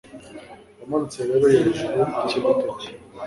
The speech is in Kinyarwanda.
Yamanutse rero hejuru yikibuto cye